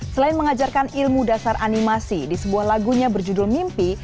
selain mengajarkan ilmu dasar animasi di sebuah lagunya berjudul mimpi